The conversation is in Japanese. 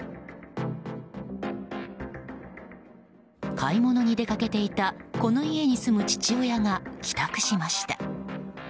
買い物に出かけていたこの家に住む父親が帰宅しました。